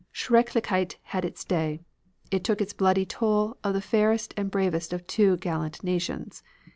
Schrecklichkeit had its day. It took its bloody toll of the fairest and bravest of two gallant nations.